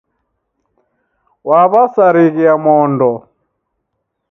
Waw'asarighia mondo.